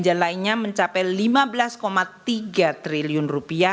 dan perlinsos mencapai sebesar rp lima belas tiga triliun